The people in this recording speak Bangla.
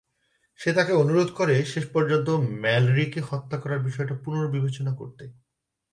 সে তাকে অনুরোধ করে শেষ পর্যন্ত ম্যালরিকে হত্যা করার বিষয়টা পুনর্বিবেচনা করতে।